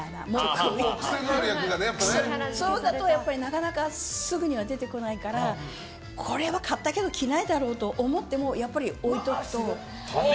そういうのだと、なかなかすぐには出てこないからこれは買ったけど着ないだろうと思ってもやっぱり置いておくと。